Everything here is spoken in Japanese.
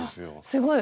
すごい。